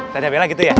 tata bela gitu ya